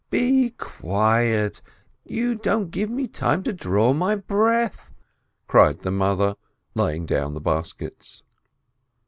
"Be quiet! You don't give me time to draw my breath !" cried the mother, laying down the baskets.